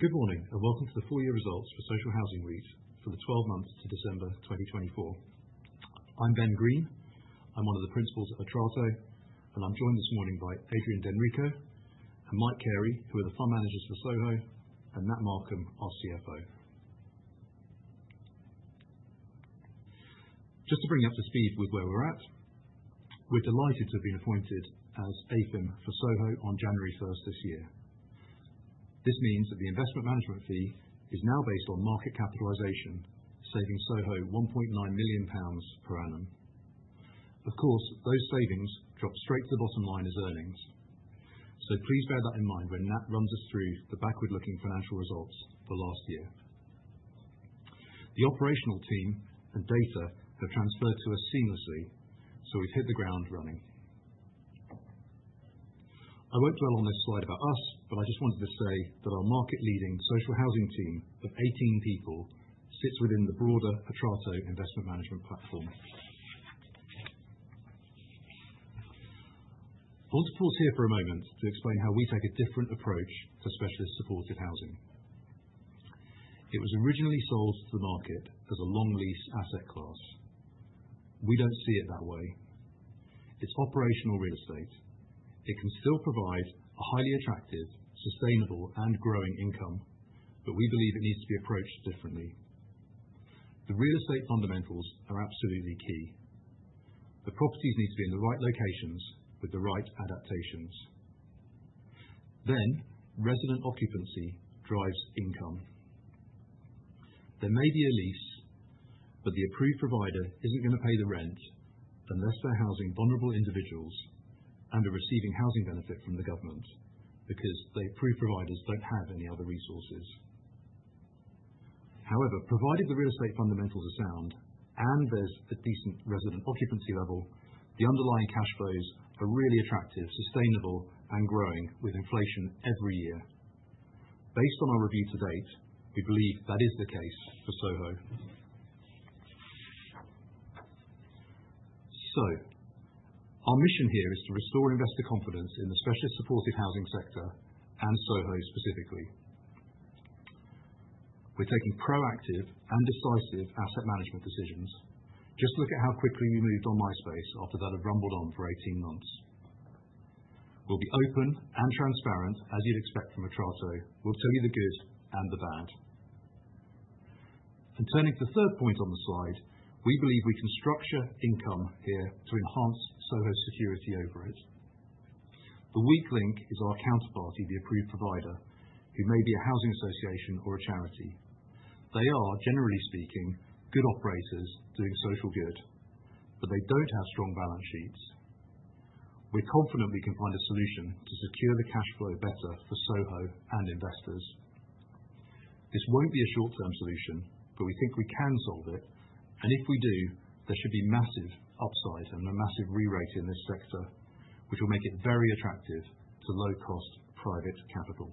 Good morning, and welcome to the full-year results for Social Housing REIT for the 12 months to December 2024. I'm Ben Green, I'm one of the principals at Atrato, and I'm joined this morning by Adrian D'Enrico and Mike Carey, who are the fund managers for SOHO, and Nat Markham, our CFO. Just to bring you up to speed with where we're at, we're delighted to have been appointed as AIFM for SOHO on January 1st this year. This means that the investment management fee is now based on market capitalization, saving SOHO 1.9 million pounds per annum. Of course, those savings drop straight to the bottom line as earnings, so please bear that in mind when Nat runs us through the backward-looking financial results for last year. The operational team and data have transferred to us seamlessly, so we've hit the ground running. I won't dwell on this slide about us, but I just wanted to say that our market-leading social housing team of 18 people sits within the broader Atrato Investment Management platform. I want to pause here for a moment to explain how we take a different approach to specialist supported housing. It was originally sold to the market as a long-lease asset class. We don't see it that way. It's operational real estate. It can still provide a highly attractive, sustainable, and growing income, but we believe it needs to be approached differently. The real estate fundamentals are absolutely key. The properties need to be in the right locations with the right adaptations. Then, resident occupancy drives income. There may be a lease, but the approved provider isn't going to pay the rent unless they're housing vulnerable individuals and are receiving Housing Benefit from the government, because the approved providers don't have any other resources. However, provided the real estate fundamentals are sound and there's a decent resident occupancy level, the underlying cash flows are really attractive, sustainable, and growing with inflation every year. Based on our review to date, we believe that is the case for SOHO. Our mission here is to restore investor confidence in the specialist supported housing sector and SOHO specifically. We're taking proactive and decisive asset management decisions. Just look at how quickly we moved on My Space after that had rumbled on for 18 months. We'll be open and transparent, as you'd expect from Atrato. We'll tell you the good and the bad. Turning to the third point on the slide, we believe we can structure income here to enhance SOHO's security over it. The weak link is our counterparty, the approved provider, who may be a housing association or a charity. They are, generally speaking, good operators doing social good, but they do not have strong balance sheets. We are confident we can find a solution to secure the cash flow better for SOHO and investors. This will not be a short-term solution, but we think we can solve it, and if we do, there should be massive upside and a massive re-rating in this sector, which will make it very attractive to low-cost private capital.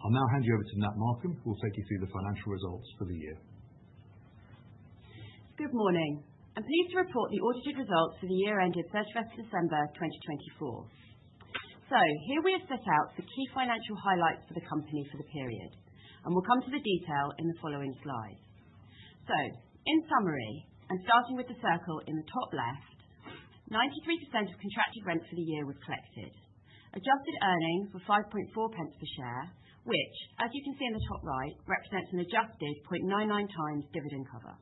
I will now hand you over to Nat Markham, who will take you through the financial results for the year. Good morning. I'm pleased to report the audited results for the year ended 31st December 2024. Here we have set out the key financial highlights for the company for the period, and we'll come to the detail in the following slides. In summary, and starting with the circle in the top left, 93% of contracted rent for the year was collected. Adjusted earnings were 5.40 per share, which, as you can see in the top right, represents an adjusted 0.99x dividend cover.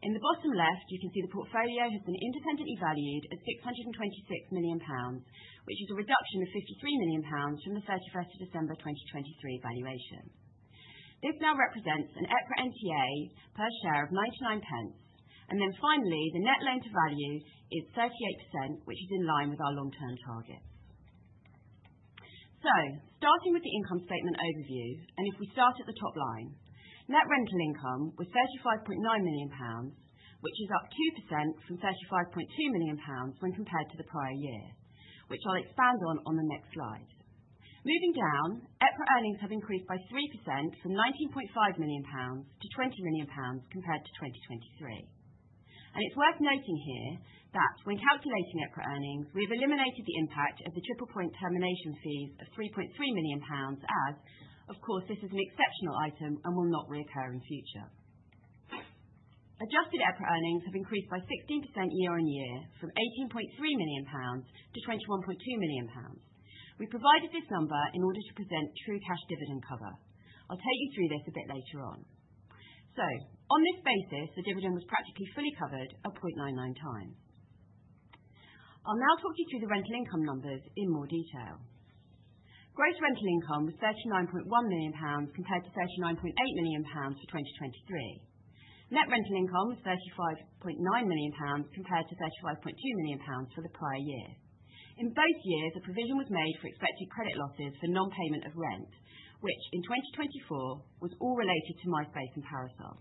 In the bottom left, you can see the portfolio has been independently valued at 626 million pounds, which is a reduction of 53 million pounds from the 31st of December 2023 valuation. This now represents an EPRA NTA per share of 0.99, and finally, the net loan to value is 38%, which is in line with our long-term targets. Starting with the income statement overview, if we start at the top line, net rental income was 35.9 million pounds, which is up 2% from 35.2 million pounds when compared to the prior year, which I'll expand on on the next slide. Moving down, EPRA earnings have increased by 3% from 19.5 million pounds to 20 million pounds compared to 2023. It's worth noting here that when calculating EPRA earnings, we have eliminated the impact of the Triple Point termination fees of 3.3 million pounds as, of course, this is an exceptional item and will not reoccur in future. Adjusted EPRA earnings have increased by 16% year-on-year from 18.3 million pounds to 21.2 million pounds. We provided this number in order to present true cash dividend cover. I'll take you through this a bit later on. On this basis, the dividend was practically fully covered at 0.99x. I'll now talk you through the rental income numbers in more detail. Gross rental income was 39.1 million pounds compared to 39.8 million pounds for 2023. Net rental income was 35.9 million pounds compared to 35.2 million pounds for the prior year. In both years, a provision was made for expected credit losses for non-payment of rent, which in 2024 was all related to My Space and Parasol.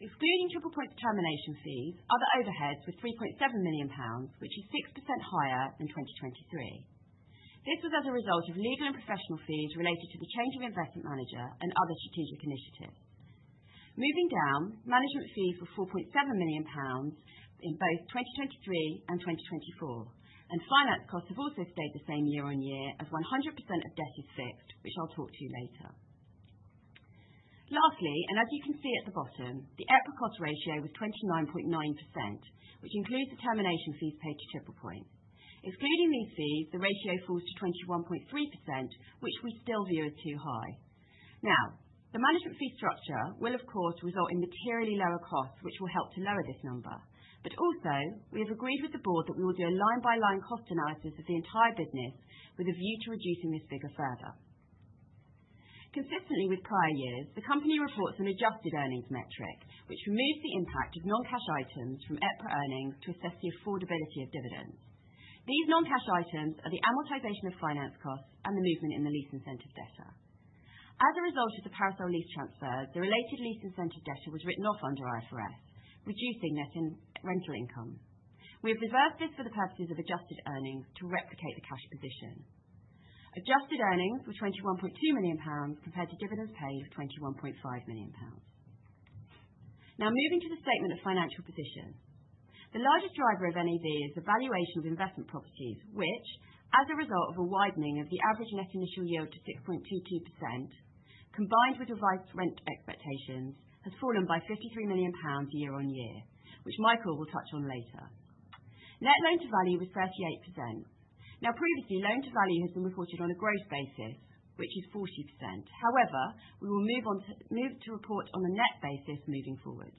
Excluding Triple Point termination fees, other overheads were 3.7 million pounds, which is 6% higher than 2023. This was as a result of legal and professional fees related to the change of investment manager and other strategic initiatives. Moving down, management fees were 4.7 million pounds in both 2023 and 2024, and finance costs have also stayed the same year on year as 100% of debt is fixed, which I'll talk to you later. Lastly, and as you can see at the bottom, the EPRA cost ratio was 29.9%, which includes the termination fees paid to Triple Point. Excluding these fees, the ratio falls to 21.3%, which we still view as too high. Now, the management fee structure will, of course, result in materially lower costs, which will help to lower this number, but also we have agreed with the board that we will do a line-by-line cost analysis of the entire business with a view to reducing this figure further. Consistently with prior years, the company reports an adjusted earnings metric, which removes the impact of non-cash items from EPRA earnings to assess the affordability of dividends. These non-cash items are the amortization of finance costs and the movement in the lease incentive debtor. As a result of the Parasol lease transfers, the related lease incentive debtor was written off under IFRS, reducing net rental income. We have reversed this for the purposes of adjusted earnings to replicate the cash position. Adjusted earnings were 21.2 million pounds compared to dividends paid of 21.5 million pounds. Now, moving to the statement of financial position. The largest driver of NAV is the valuation of investment properties, which, as a result of a widening of the average net initial yield to 6.22%, combined with revised rent expectations, has fallen by 53 million pounds year-on-year, which Michael will touch on later. Net loan to value was 38%. Now, previously, loan to value has been reported on a gross basis, which is 40%. However, we will move to report on a net basis moving forwards.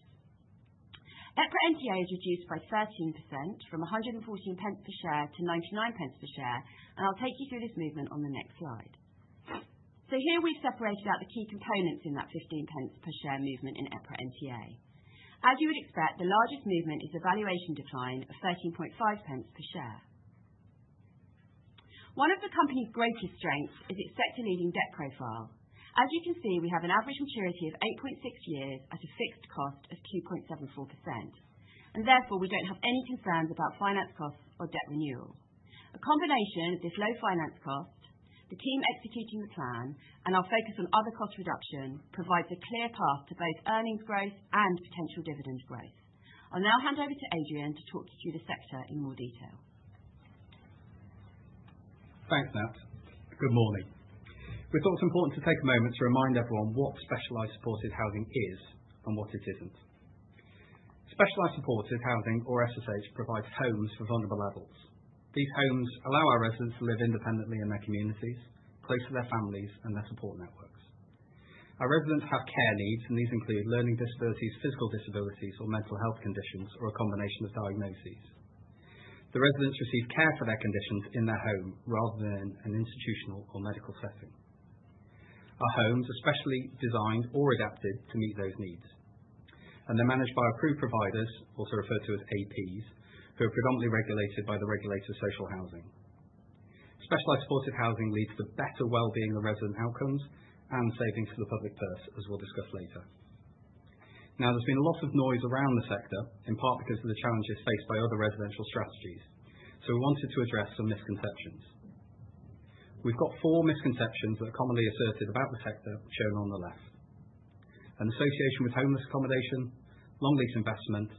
EPRA NTA has reduced by 13% from 1.14 per share to 0.99 per share, and I'll take you through this movement on the next slide. Here we've separated out the key components in that 0.15 per share movement in EPRA NTA. As you would expect, the largest movement is the valuation decline of 0.1350 per share. One of the company's greatest strengths is its sector-leading debt profile. As you can see, we have an average maturity of 8.6 years at a fixed cost of 2.74%, and therefore we don't have any concerns about finance costs or debt renewal. A combination of this low finance cost, the team executing the plan, and our focus on other cost reduction provides a clear path to both earnings growth and potential dividend growth. I'll now hand over to Adrian to talk you through the sector in more detail. Thanks, Nat. Good morning. We thought it was important to take a moment to remind everyone what specialised supported housing is and what it isn't. Specialised supported housing, or SSH, provides homes for vulnerable adults. These homes allow our residents to live independently in their communities, close to their families and their support networks. Our residents have care needs, and these include learning disabilities, physical disabilities, or mental health conditions, or a combination of diagnoses. The residents receive care for their conditions in their home rather than in an institutional or medical setting. Our homes are specially designed or adapted to meet those needs, and they're managed by approved providers, also referred to as APs, who are predominantly regulated by the Regulator of Social Housing. Specialised supported housing leads to better well-being of resident outcomes and savings for the public purse, as we'll discuss later. Now, there's been a lot of noise around the sector, in part because of the challenges faced by other residential strategies, so we wanted to address some misconceptions. We've got four misconceptions that are commonly asserted about the sector, shown on the left: an association with homeless accommodation, long-lease investment,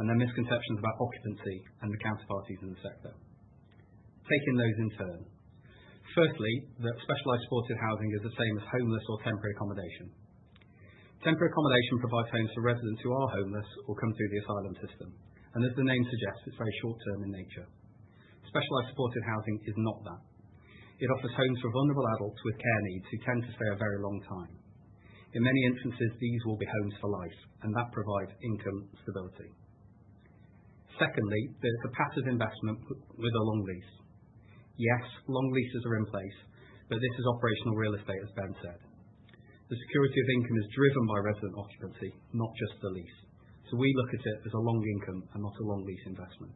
and then misconceptions about occupancy and the counterparties in the sector. Taking those in turn. Firstly, that specialised supported housing is the same as homeless or temporary accommodation. Temporary accommodation provides homes for residents who are homeless or come through the asylum system, and as the name suggests, it's very short-term in nature. Specialised supported housing is not that. It offers homes for vulnerable adults with care needs who tend to stay a very long time. In many instances, these will be homes for life, and that provides income stability. Secondly, that it's a passive investment with a long lease. Yes, long leases are in place, but this is operational real estate, as Ben said. The security of income is driven by resident occupancy, not just the lease, so we look at it as a long income and not a long lease investment.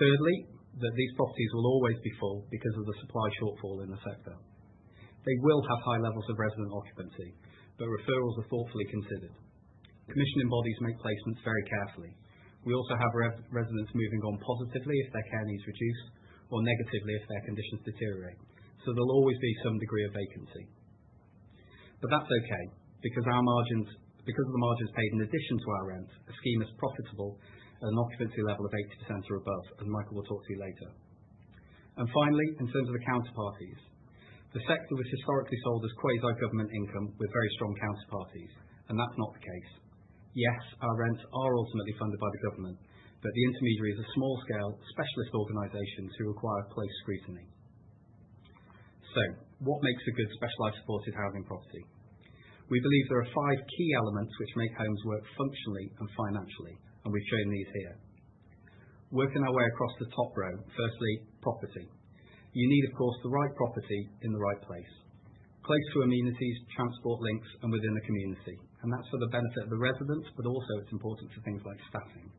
Thirdly, that these properties will always be full because of the supply shortfall in the sector. They will have high levels of resident occupancy, but referrals are thoughtfully considered. Commissioning bodies make placements very carefully. We also have residents moving on positively if their care needs reduce or negatively if their conditions deteriorate, so there will always be some degree of vacancy. That is okay because of the margins paid in addition to our rent. A scheme is profitable at an occupancy level of 80% or above, as Michael will talk to you later. Finally, in terms of the counterparties, the sector was historically sold as quasi-government income with very strong counterparties, and that's not the case. Yes, our rents are ultimately funded by the government, but the intermediary is a small-scale specialist organization who require close scrutiny. What makes a good specialised supported housing property? We believe there are five key elements which make homes work functionally and financially, and we've shown these here. Working our way across the top row, firstly, property. You need, of course, the right property in the right place, close to amenities, transport links, and within the community, and that's for the benefit of the residents, but also it's important for things like staffing.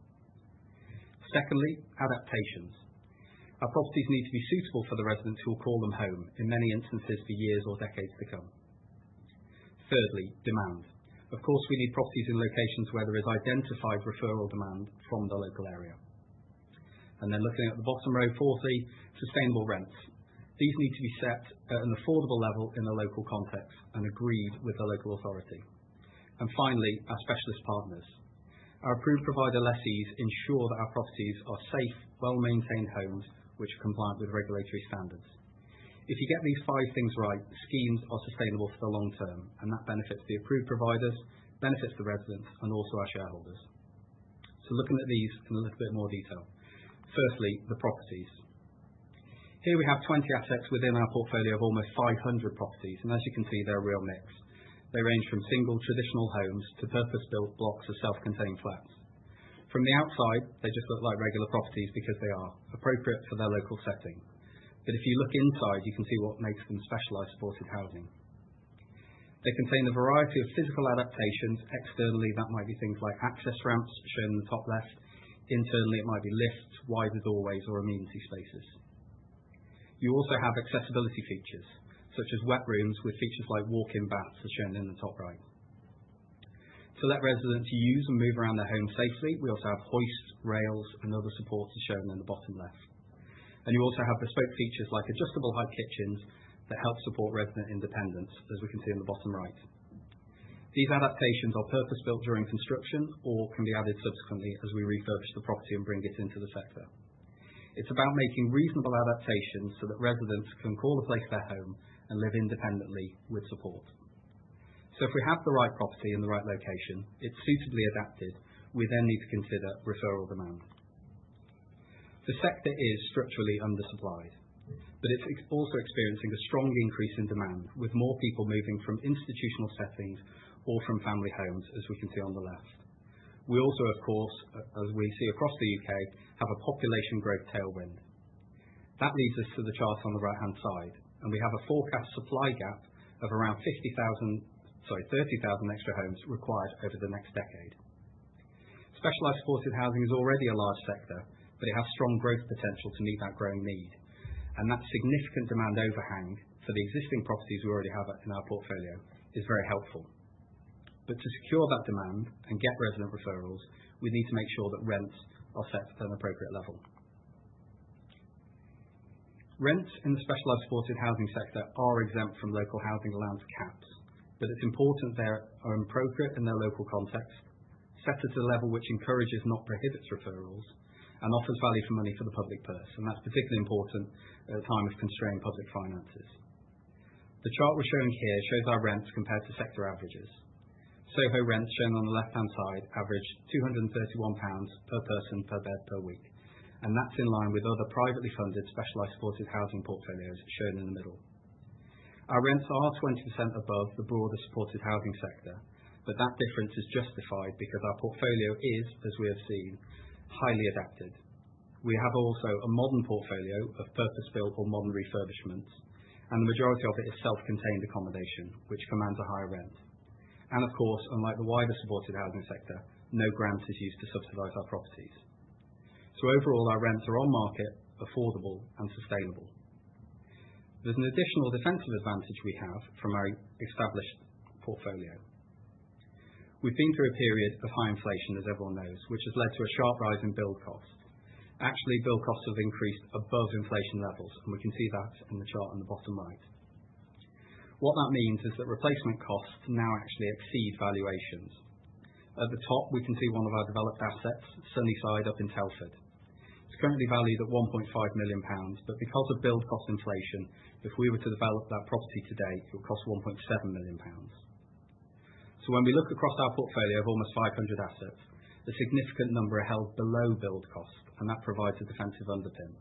Secondly, adaptations. Our properties need to be suitable for the residents who will call them home in many instances for years or decades to come. Thirdly, demand. Of course, we need properties in locations where there is identified referral demand from the local area. Looking at the bottom row, fourthly, sustainable rents. These need to be set at an affordable level in the local context and agreed with the local authority. Finally, our specialist partners. Our approved provider lessees ensure that our properties are safe, well-maintained homes which are compliant with regulatory standards. If you get these five things right, schemes are sustainable for the long term, and that benefits the approved providers, benefits the residents, and also our shareholders. Looking at these in a little bit more detail. Firstly, the properties. Here we have 20 assets within our portfolio of almost 500 properties, and as you can see, they are a real mix. They range from single traditional homes to purpose-built blocks of self-contained flats. From the outside, they just look like regular properties because they are appropriate for their local setting, but if you look inside, you can see what makes them specialist supported housing. They contain the variety of physical adaptations externally that might be things like access ramps, shown in the top left. Internally, it might be lifts, wider doorways, or amenity spaces. You also have accessibility features such as wet rooms with features like walk-in baths, as shown in the top right. To let residents use and move around their home safely, we also have hoists, rails, and other supports, as shown in the bottom left. You also have bespoke features like adjustable height kitchens that help support resident independence, as we can see in the bottom right. These adaptations are purpose-built during construction or can be added subsequently as we refurbish the property and bring it into the sector. It's about making reasonable adaptations so that residents can call the place their home and live independently with support. If we have the right property in the right location, it's suitably adapted, we then need to consider referral demand. The sector is structurally undersupplied, but it's also experiencing a strong increase in demand with more people moving from institutional settings or from family homes, as we can see on the left. We also, of course, as we see across the U.K., have a population growth tailwind. That leads us to the charts on the right-hand side, and we have a forecast supply gap of around 50,000, sorry, 30,000 extra homes required over the next decade. Specialised supported housing is already a large sector, but it has strong growth potential to meet that growing need, and that significant demand overhang for the existing properties we already have in our portfolio is very helpful. To secure that demand and get resident referrals, we need to make sure that rents are set at an appropriate level. Rents in the specialised supported housing sector are exempt from Local Housing Allowance caps, but it's important they are appropriate in their local context, set at a level which encourages, not prohibits referrals, and offers value for money for the public purse, and that's particularly important at a time of constrained public finances. The chart we're showing here shows our rents compared to sector averages. SOHO rents, shown on the left-hand side, average 231 pounds per person per bed per week, and that's in line with other privately funded specialised supported housing portfolios shown in the middle. Our rents are 20% above the broader supported housing sector, but that difference is justified because our portfolio is, as we have seen, highly adapted. We have also a modern portfolio of purpose-built or modern refurbishments, and the majority of it is self-contained accommodation, which commands a higher rent. Of course, unlike the wider supported housing sector, no grants are used to subsidise our properties. Overall, our rents are on market, affordable, and sustainable. There's an additional defensive advantage we have from our established portfolio. We've been through a period of high inflation, as everyone knows, which has led to a sharp rise in build costs. Actually, build costs have increased above inflation levels, and we can see that in the chart on the bottom right. What that means is that replacement costs now actually exceed valuations. At the top, we can see one of our developed assets, Sunnyside, up in Telford. It is currently valued at 1.5 million pounds, but because of build cost inflation, if we were to develop that property today, it would cost 1.7 million pounds. When we look across our portfolio of almost 500 assets, a significant number are held below build cost, and that provides a defensive underpin.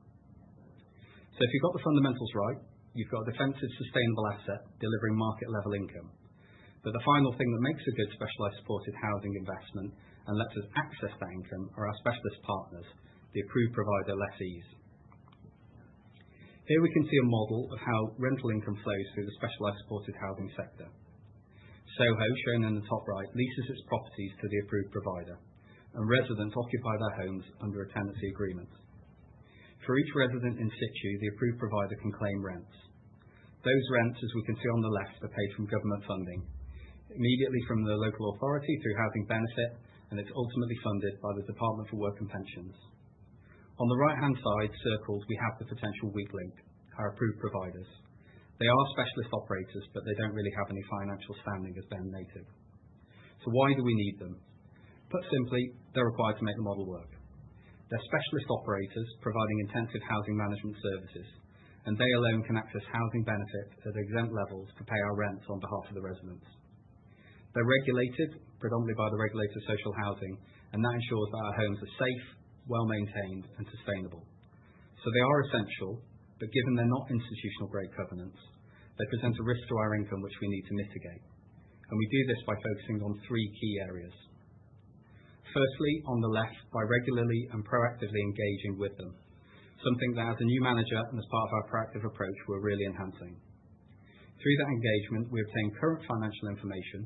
If you have got the fundamentals right, you have got a defensive sustainable asset delivering market-level income. The final thing that makes a good specialised supported housing investment and lets us access that income are our specialist partners, the approved provider lessees. Here we can see a model of how rental income flows through the specialised supported housing sector. SOHO, shown in the top right, leases its properties to the approved provider, and residents occupy their homes under a tenancy agreement. For each resident in situ, the approved provider can claim rents. Those rents, as we can see on the left, are paid from government funding, immediately from the local authority through Housing Benefit, and it is ultimately funded by the Department for Work and Pensions. On the right-hand side, circled, we have the potential weak link, our approved providers. They are specialist operators, but they do not really have any financial standing as they are native. Why do we need them? Put simply, they are required to make the model work. They're specialist operators providing intensive housing management services, and they alone can access housing benefits at exempt levels to pay our rents on behalf of the residents. They're regulated predominantly by the Regulator of Social Housing, and that ensures that our homes are safe, well-maintained, and sustainable. They are essential, but given they're not institutional grade covenants, they present a risk to our income, which we need to mitigate, and we do this by focusing on three key areas. Firstly, on the left, by regularly and proactively engaging with them, something that, as a new manager and as part of our proactive approach, we're really enhancing. Through that engagement, we obtain current financial information,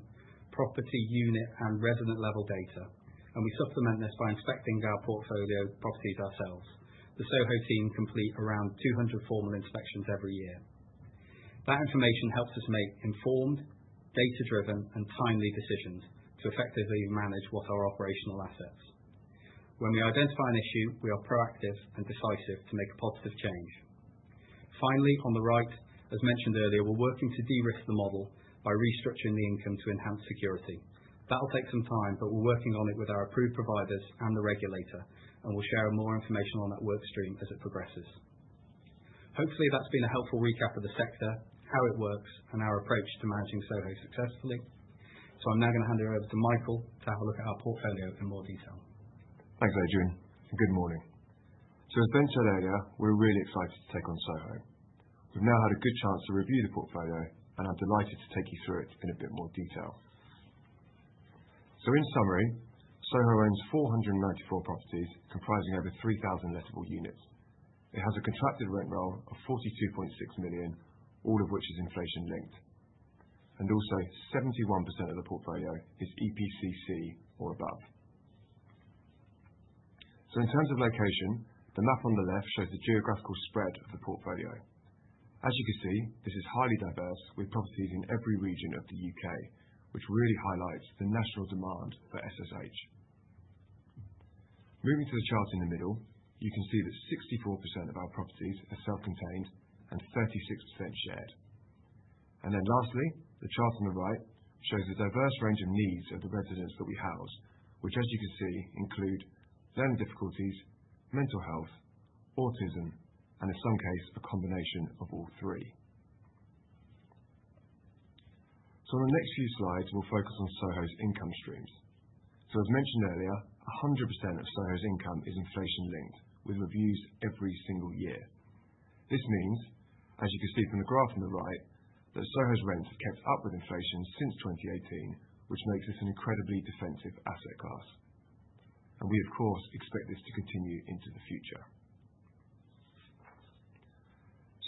property unit and resident level data, and we supplement this by inspecting our portfolio properties ourselves. The SOHO team completes around 200 formal inspections every year. That information helps us make informed, data-driven, and timely decisions to effectively manage what are operational assets. When we identify an issue, we are proactive and decisive to make a positive change. Finally, on the right, as mentioned earlier, we're working to de-risk the model by restructuring the income to enhance security. That'll take some time, but we're working on it with our approved providers and the regulator, and we'll share more information on that workstream as it progresses. Hopefully, that's been a helpful recap of the sector, how it works, and our approach to managing SOHO successfully. I am now going to hand it over to Michael to have a look at our portfolio in more detail. Thanks, Adrian. Good morning. As Ben said earlier, we're really excited to take on SOHO. We've now had a good chance to review the portfolio, and I'm delighted to take you through it in a bit more detail. In summary, SOHO owns 494 properties comprising over 3,000 lettable units. It has a contracted rent roll of 42.6 million, all of which is inflation linked, and also 71% of the portfolio is EPC C or above. In terms of location, the map on the left shows the geographical spread of the portfolio. As you can see, this is highly diverse with properties in every region of the U.K., which really highlights the national demand for SSH. Moving to the chart in the middle, you can see that 64% of our properties are self-contained and 36% shared. Lastly, the chart on the right shows the diverse range of needs of the residents that we house, which, as you can see, include learning difficulties, mental health, autism, and, in some cases, a combination of all three. On the next few slides, we'll focus on SOHO's income streams. As mentioned earlier, 100% of SOHO's income is inflation linked, with reviews every single year. This means, as you can see from the graph on the right, that SOHO's rents have kept up with inflation since 2018, which makes this an incredibly defensive asset class. We, of course, expect this to continue into the future.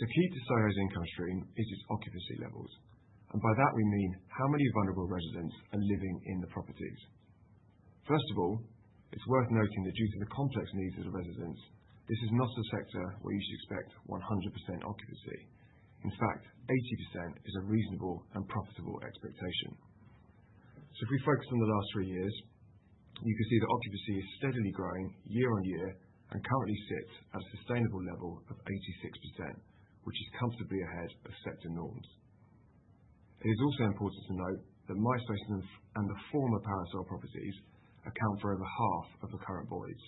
Key to SOHO's income stream is its occupancy levels, and by that, we mean how many vulnerable residents are living in the properties. First of all, it's worth noting that due to the complex needs of the residents, this is not a sector where you should expect 100% occupancy. In fact, 80% is a reasonable and profitable expectation. If we focus on the last three years, you can see that occupancy is steadily growing year on year and currently sits at a sustainable level of 86%, which is comfortably ahead of sector norms. It is also important to note that My Space and the former Parasol properties account for over half of the current voids.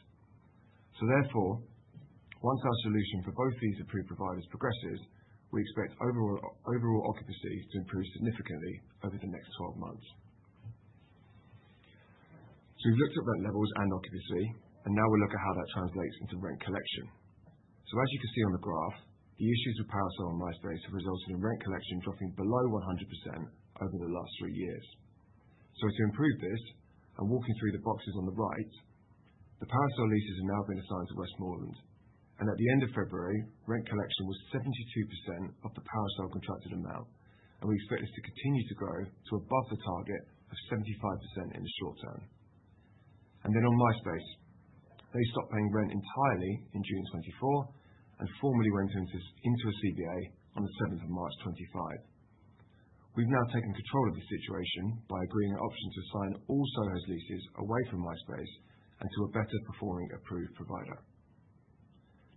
Therefore, once our solution for both these approved providers progresses, we expect overall occupancy to improve significantly over the next 12 months. We have looked at rent levels and occupancy, and now we will look at how that translates into rent collection. As you can see on the graph, the issues with Parasol and My Space have resulted in rent collection dropping below 100% over the last three years. To improve this, I am walking through the boxes on the right. The Parasol leases have now been assigned to Westmoreland, and at the end of February, rent collection was 72% of the Parasol contracted amount, and we expect this to continue to grow to above the target of 75% in the short term. On My Space, they stopped paying rent entirely in June 2024 and formally went into a CVA on the 7th of March 2025. We have now taken control of the situation by agreeing an option to assign all SOHO's leases away from My Space and to a better performing approved provider.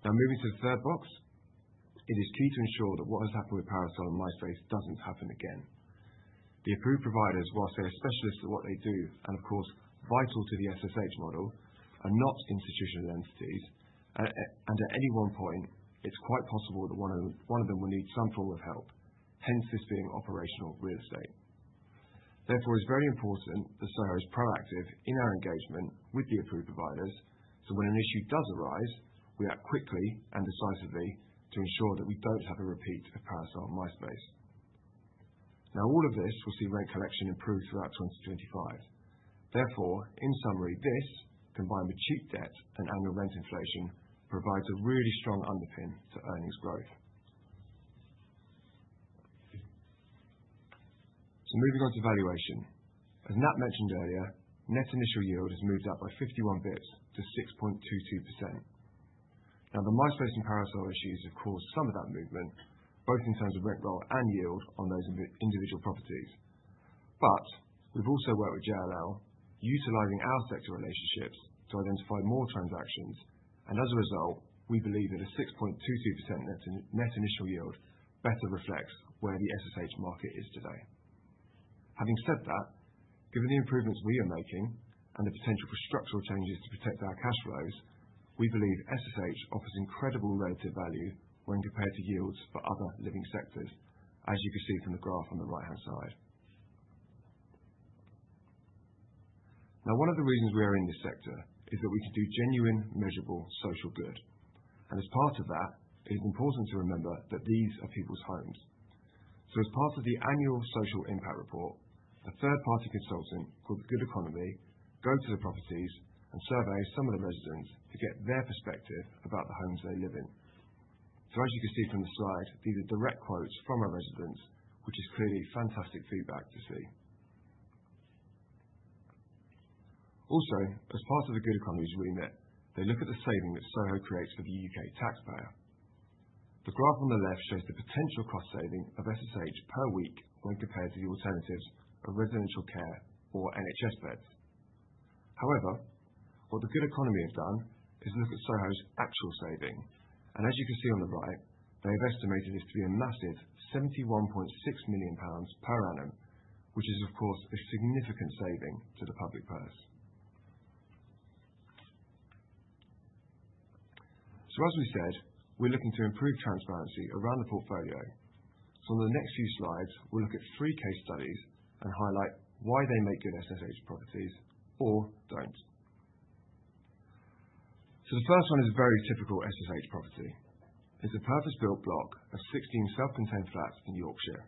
Now, moving to the third box, it is key to ensure that what has happened with Parasol and My Space doesn't happen again. The approved providers, whilst they are specialists at what they do and, of course, vital to the SSH model, are not institutional entities, and at any one point, it's quite possible that one of them will need some form of help, hence this being operational real estate. Therefore, it's very important that SOHO is proactive in our engagement with the approved providers so when an issue does arise, we act quickly and decisively to ensure that we don't have a repeat of Parasol and My Space. All of this will see rent collection improve throughout 2025. Therefore, in summary, this, combined with cheap debt and annual rent inflation, provides a really strong underpin to earnings growth. Moving on to valuation. As Nat mentioned earlier, net initial yield has moved up by 51 basis points to 6.22%. Now, the My Space and Parasol issues have caused some of that movement, both in terms of rent roll and yield on those individual properties, but we've also worked with JLL, utilizing our sector relationships to identify more transactions, and as a result, we believe that a 6.22% net initial yield better reflects where the SSH market is today. Having said that, given the improvements we are making and the potential for structural changes to protect our cash flows, we believe SSH offers incredible relative value when compared to yields for other living sectors, as you can see from the graph on the right-hand side. Now, one of the reasons we are in this sector is that we can do genuine, measurable social good, and as part of that, it is important to remember that these are people's homes. As part of the annual social impact report, a third-party consultant called The Good Economy goes to the properties and surveys some of the residents to get their perspective about the homes they live in. As you can see from the slide, these are direct quotes from our residents, which is clearly fantastic feedback to see. Also, as part of The Good Economy's remit, they look at the saving that SOHO creates for the U.K. taxpayer. The graph on the left shows the potential cost saving of SSH per week when compared to the alternatives of residential care or NHS beds. However, what The Good Economy have done is look at SOHO's actual saving, and as you can see on the right, they have estimated this to be a massive 71.6 million pounds per annum, which is, of course, a significant saving to the public purse. As we said, we're looking to improve transparency around the portfolio. On the next few slides, we'll look at three case studies and highlight why they make good SSH properties or do not. The first one is a very typical SSH property. It is a purpose-built block of 16 self-contained flats in Yorkshire.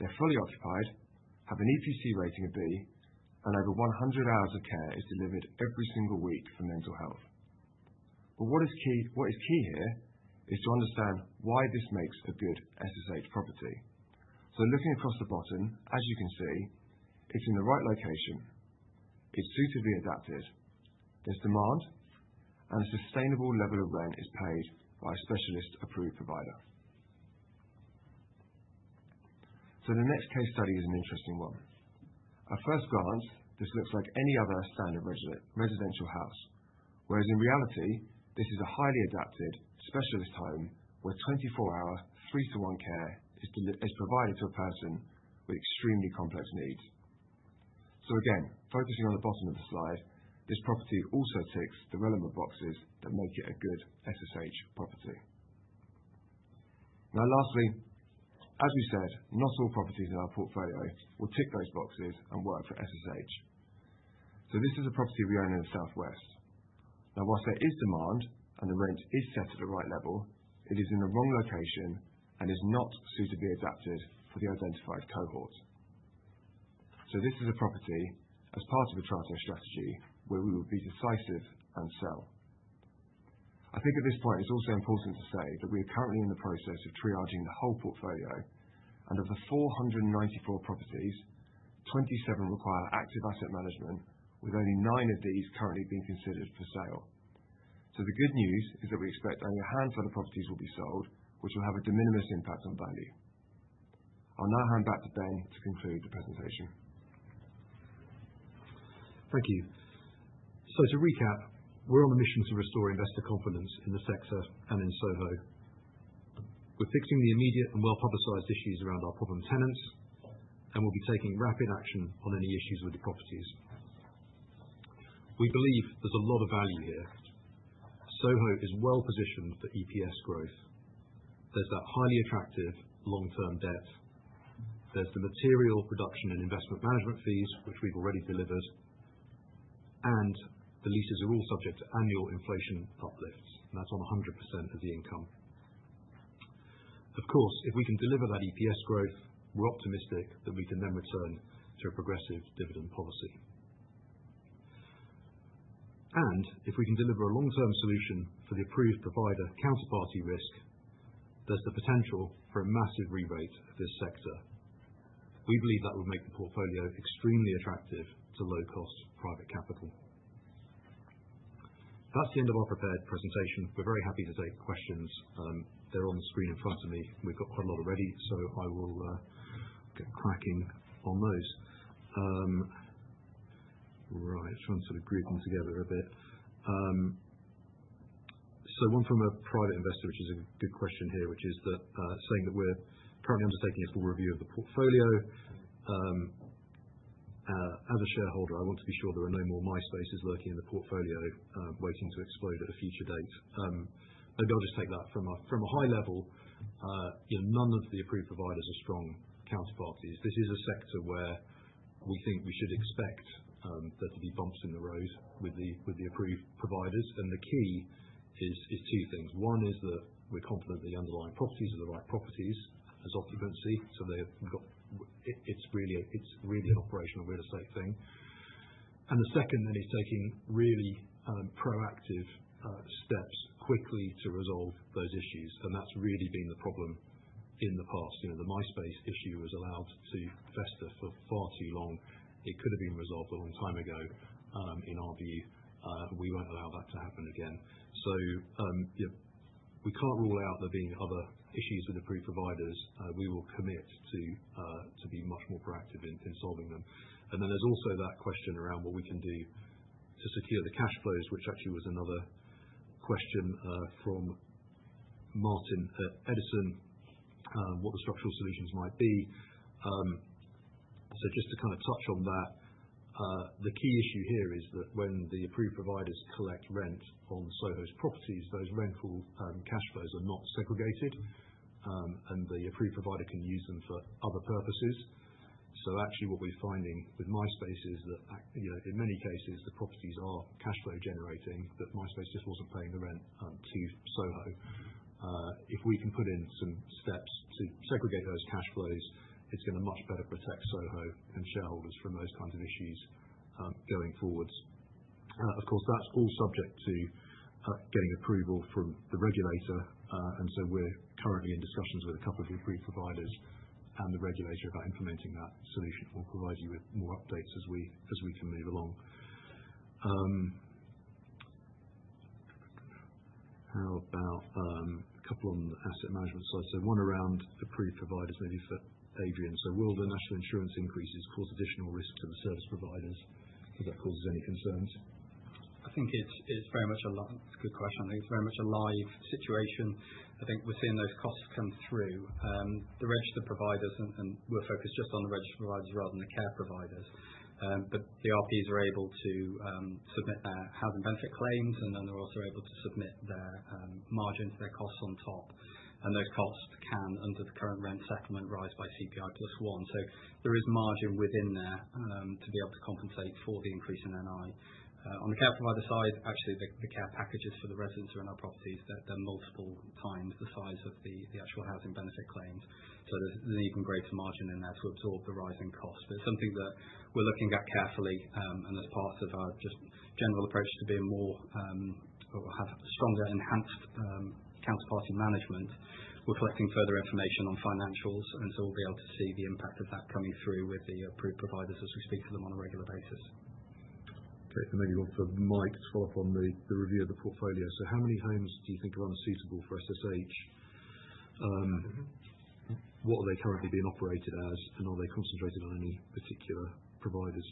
They are fully occupied, have an EPC rating of B, and over 100 hours of care is delivered every single week for mental health. What is key here is to understand why this makes a good SSH property. Looking across the bottom, as you can see, it's in the right location, it's suitably adapted, there's demand, and a sustainable level of rent is paid by a specialist approved provider. The next case study is an interesting one. At first glance, this looks like any other standard residential house, whereas in reality, this is a highly adapted specialist home where 24-hour three-to-one care is provided to a person with extremely complex needs. Again, focusing on the bottom of the slide, this property also ticks the relevant boxes that make it a good SSH property. Lastly, as we said, not all properties in our portfolio will tick those boxes and work for SSH. This is a property we own in the southwest. Now, whilst there is demand and the rent is set at the right level, it is in the wrong location and is not suitably adapted for the identified cohort. This is a property as part of a triage strategy where we will be decisive and sell. I think at this point, it is also important to say that we are currently in the process of triaging the whole portfolio, and of the 494 properties, 27 require active asset management, with only nine of these currently being considered for sale. The good news is that we expect only a handful of properties will be sold, which will have a de minimis impact on value. I will now hand back to Ben to conclude the presentation. Thank you. To recap, we are on a mission to restore investor confidence in the sector and in SOHO. We're fixing the immediate and well-publicized issues around our problem tenants, and we'll be taking rapid action on any issues with the properties. We believe there's a lot of value here. SOHO is well-positioned for EPS growth. There's that highly attractive long-term debt. There's the material production and investment management fees, which we've already delivered, and the leases are all subject to annual inflation uplifts, and that's on 100% of the income. Of course, if we can deliver that EPS growth, we're optimistic that we can then return to a progressive dividend policy. If we can deliver a long-term solution for the approved provider counterparty risk, there's the potential for a massive re-rate of this sector. We believe that will make the portfolio extremely attractive to low-cost private capital. That's the end of our prepared presentation. We're very happy to take questions. They're on the screen in front of me. We've got quite a lot already, so I will get cracking on those. Right, I'm trying to sort of group them together a bit. One from a private investor, which is a good question here, which is saying that we're currently undertaking a full review of the portfolio. As a shareholder, I want to be sure there are no more My Spaces lurking in the portfolio waiting to explode at a future date. Maybe I'll just take that from a high level. None of the approved providers are strong counterparties. This is a sector where we think we should expect there to be bumps in the road with the approved providers, and the key is two things. One is that we're confident that the underlying properties are the right properties as occupancy, so it's really an operational real estate thing. The second then is taking really proactive steps quickly to resolve those issues, and that has really been the problem in the past. The My Space issue was allowed to fester for far too long. It could have been resolved a long time ago, in our view. We will not allow that to happen again. We cannot rule out there being other issues with approved providers. We will commit to be much more proactive in solving them. There is also that question around what we can do to secure the cash flows, which actually was another question from Martin at Edison, what the structural solutions might be. Just to kind of touch on that, the key issue here is that when the approved providers collect rent on SOHO's properties, those rental cash flows are not segregated, and the approved provider can use them for other purposes. Actually, what we're finding with My Space is that, in many cases, the properties are cash flow generating, but My Space just wasn't paying the rent to SOHO. If we can put in some steps to segregate those cash flows, it's going to much better protect SOHO and shareholders from those kinds of issues going forwards. Of course, that's all subject to getting approval from the regulator, and we're currently in discussions with a couple of approved providers and the regulator about implementing that solution. We'll provide you with more updates as we can move along. How about a couple on the asset management side? One around approved providers, maybe for Adrian. Will the National Insurance increases cause additional risk to the service providers? Does that cause us any concerns? I think it's very much a good question. I think it's very much a live situation. I think we're seeing those costs come through. The registered providers, and we're focused just on the registered providers rather than the care providers, but the RPs are able to submit their Housing Benefit claims, and then they're also able to submit their margins, their costs on top, and those costs can, under the current rent settlement, rise by CPI+1%. There is margin within there to be able to compensate for the increase in NI. On the care provider side, actually, the care packages for the residents who are in our properties, they're multiple times the size of the actual Housing Benefit claims, so there's an even greater margin in there to absorb the rising cost. It is something that we're looking at carefully, and as part of our just general approach to be a more or have stronger enhanced counterparty management, we're collecting further information on financials, and so we'll be able to see the impact of that coming through with the approved providers as we speak to them on a regular basis. Okay, and maybe we'll have Mike to follow up on the review of the portfolio. How many homes do you think are unsuitable for SSH? What are they currently being operated as, and are they concentrated on any particular providers?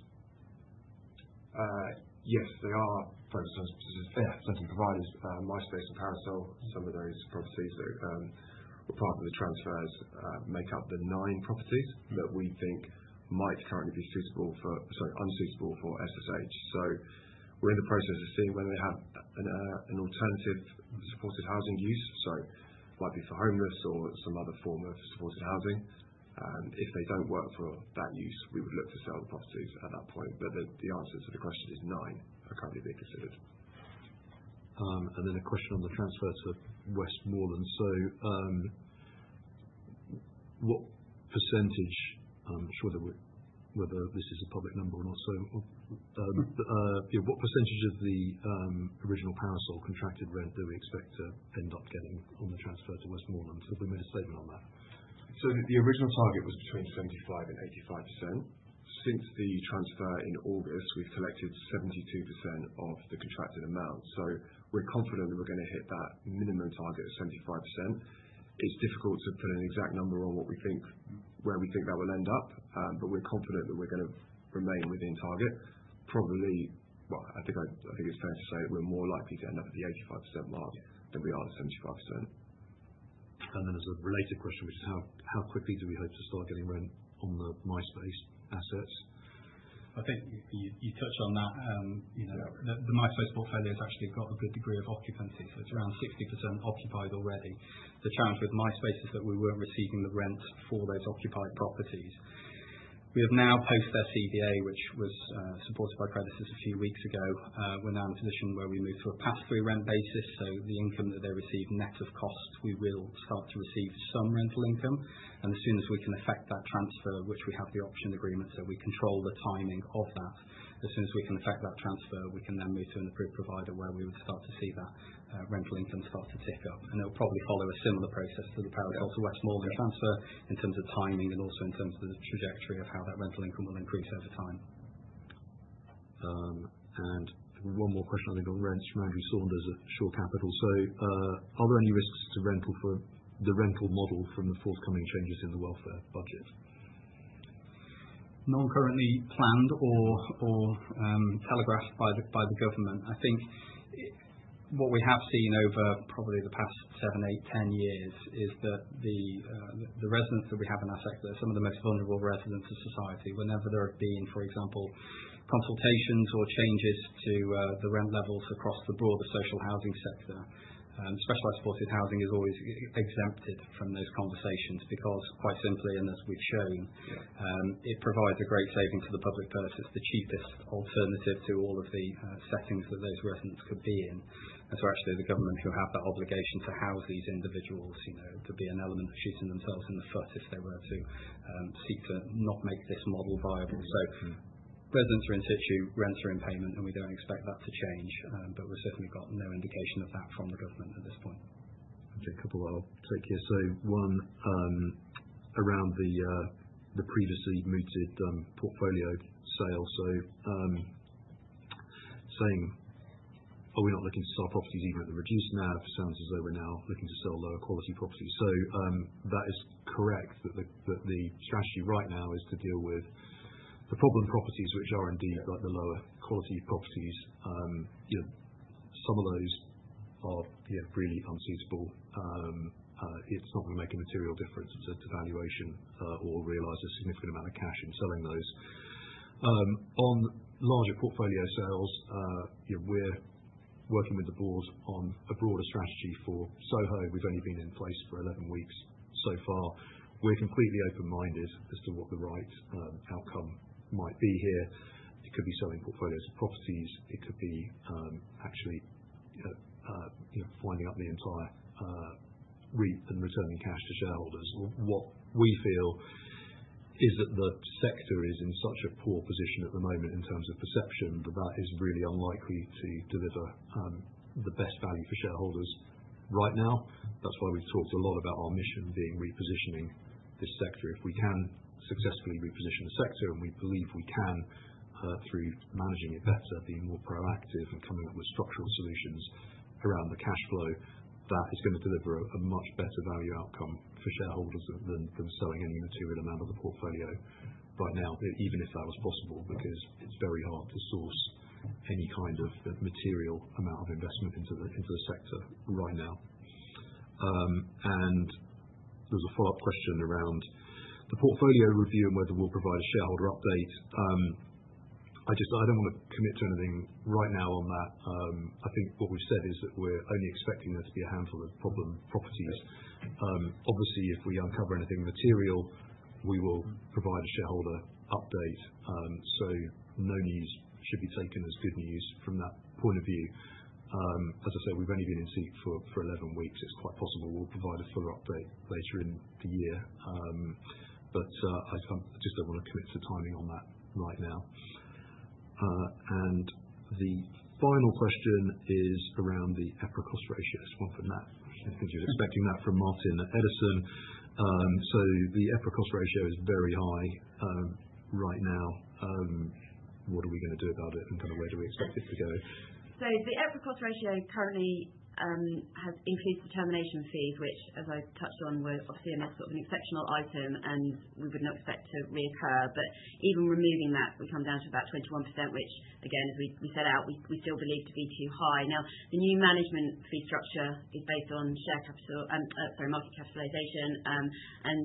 Yes, they are focused on certain providers. My Space and Parasol, some of those properties that were part of the transfers make up the nine properties that we think might currently be suitable for, sorry, unsuitable for SSH. We're in the process of seeing whether they have an alternative supported housing use, so it might be for homeless or some other form of supported housing. If they don't work for that use, we would look to sell the properties at that point, but the answer to the question is nine are currently being considered. A question on the transfer to Westmoreland. What percentage, and I'm not sure whether this is a public number or not, what percentage of the original Parasol contracted rent do we expect to end up getting on the transfer to Westmoreland? Have we made a statement on that? The original target was between 25%-85%. Since the transfer in August, we've collected 72% of the contracted amount, so we're confident that we're going to hit that minimum target of 75%. It's difficult to put an exact number on what we think, where we think that will end up, but we're confident that we're going to remain within target. Probably, I think it's fair to say that we're more likely to end up at the 85% mark than we are at 75%. There is a related question, which is how quickly do we hope to start getting rent on the My Space assets? I think you touch on that. The My Space portfolio has actually got a good degree of occupancy, so it's around 60% occupied already. The challenge with My Space is that we weren't receiving the rent for those occupied properties. We have now, post their CVA, which was supported by creditors a few weeks ago. We're now in a position where we move to a pass-through rent basis, so the income that they receive net of cost, we will start to receive some rental income, and as soon as we can affect that transfer, which we have the option agreement, so we control the timing of that. As soon as we can affect that transfer, we can then move to an approved provider where we would start to see that rental income start to tick up, and it'll probably follow a similar process to the Parasol to Westmoreland transfer in terms of timing and also in terms of the trajectory of how that rental income will increase over time. One more question, I think, on rents from Andrew Saunders at Shore Capital. Are there any risks to rental for the rental model from the forthcoming changes in the welfare budget? None currently planned or telegraphed by the government. I think what we have seen over probably the past seven, eight, ten years is that the residents that we have in our sector, some of the most vulnerable residents of society, whenever there have been, for example, consultations or changes to the rent levels across the broader social housing sector, specialised supported housing is always exempted from those conversations because, quite simply, and as we've shown, it provides a great saving for the public purse, it's the cheapest alternative to all of the settings that those residents could be in. Actually, the government who have that obligation to house these individuals could be an element of shooting themselves in the foot if they were to seek to not make this model viable. Residents are in situ, rents are in payment, and we do not expect that to change, but we have certainly got no indication of that from the government at this point. Okay, a couple I will take here. One around the previously mooted portfolio sale. Saying, are we not looking to sell properties even at the reduced NAV? Sounds as though we are now looking to sell lower quality properties. That is correct, that the strategy right now is to deal with the problem properties, which are indeed like the lower quality properties. Some of those are really unsuitable. It is not going to make a material difference to valuation or realize a significant amount of cash in selling those. On larger portfolio sales, we are working with the board on a broader strategy for SOHO. We have only been in place for 11 weeks so far. We're completely open-minded as to what the right outcome might be here. It could be selling portfolios of properties. It could be actually finding out the entire REIT and returning cash to shareholders. What we feel is that the sector is in such a poor position at the moment in terms of perception that that is really unlikely to deliver the best value for shareholders right now. That's why we've talked a lot about our mission being repositioning this sector. If we can successfully reposition the sector, and we believe we can through managing it better, being more proactive and coming up with structural solutions around the cash flow, that is going to deliver a much better value outcome for shareholders than selling any material amount of the portfolio right now, even if that was possible, because it is very hard to source any kind of material amount of investment into the sector right now. There is a follow-up question around the portfolio review and whether we will provide a shareholder update. I do not want to commit to anything right now on that. I think what we have said is that we are only expecting there to be a handful of problem properties. Obviously, if we uncover anything material, we will provide a shareholder update. No news should be taken as good news from that point of view. As I say, we've only been in seat for 11 weeks. It is quite possible we'll provide a full update later in the year, but I just don't want to commit to timing on that right now. The final question is around the EPRA Cost Ratio. This one for Nat. I think he was expecting that from Martin at Edison. The EPRA Cost Ratio is very high right now. What are we going to do about it and kind of where do we expect it to go? The EPRA Cost Ratio currently has increased due to the termination fees, which, as I touched on, were obviously a sort of an exceptional item and we wouldn't expect to reoccur. Even removing that, we come down to about 21%, which, again, as we set out, we still believe to be too high. Now, the new management fee structure is based on share capital, sorry, market capitalisation, and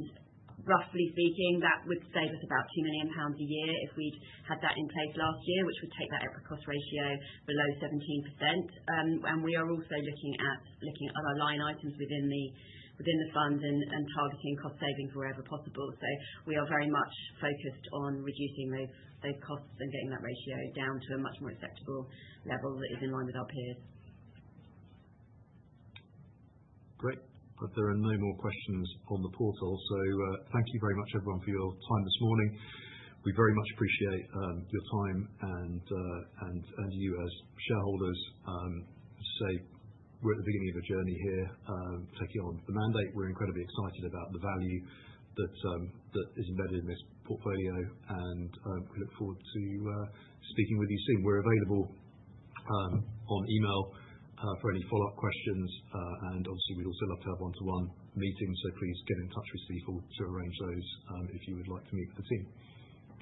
roughly speaking, that would save us about 2 million pounds a year if we'd had that in place last year, which would take that EPRA cost ratio below 17%. We are also looking at other line items within the fund and targeting cost savings wherever possible. We are very much focused on reducing those costs and getting that ratio down to a much more acceptable level that is in line with our peers. Great. I've got there are no more questions on the portal. Thank you very much, everyone, for your time this morning. We very much appreciate your time and you as shareholders. As I say, we're at the beginning of a journey here taking on the mandate. We're incredibly excited about the value that is embedded in this portfolio, and we look forward to speaking with you soon. We're available on email for any follow-up questions, and obviously, we'd also love to have one-to-one meetings, so please get in touch with Steve Hall to arrange those if you would like to meet with the team.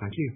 Thank you.